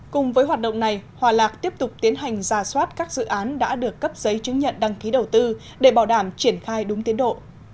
cùng với hoạt động này hòa lạc tiếp tục tiến hành ra soát các dự án đã được cấp giấy chứng nhận đăng ký đầu tư để bảo đảm triển khai đúng tiến độ